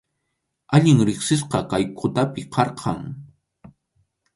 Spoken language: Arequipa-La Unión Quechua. Allin riqsisqam kay qhatupi karqan.